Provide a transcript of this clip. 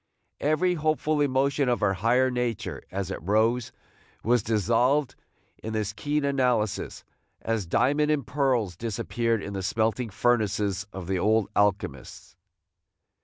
Every hopeful emotion of her higher nature, as it rose, was dissolved in this keen analysis, as diamond and pearls disappeared in the smelting furnaces of the old alchemists.